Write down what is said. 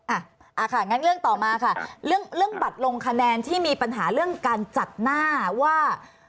อ่ะอ่าค่ะงั้นเรื่องต่อมาค่ะเรื่องบัตรลงคะแนนที่มีปัญหาเรื่องการจัดหน้าว่า